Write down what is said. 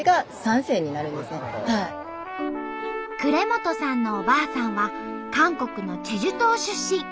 呉本さんのおばあさんは韓国のチェジュ島出身。